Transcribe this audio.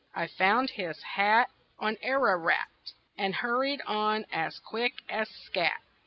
I found his hat On Ararat, And hurried on as quick as scat.